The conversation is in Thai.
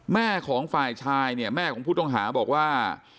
แม่ของฝ่ายชายเนี่ยแม่ของผู้ต้องหาบอกว่า